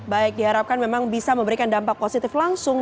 baik diharapkan memang bisa memberikan dampak positif langsung